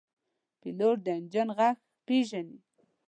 پیلوټ د انجن غږ پېژني.